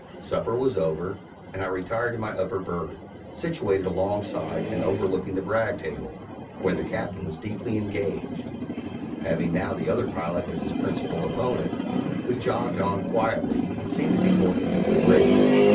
Supper was over, and I retired to my upper berth, situated alongside and overlooking the brag table, where the Captain was deeply engaged, having now the other pilot as his principal opponent. We jogged on quietly and seemed to be going at a good rate.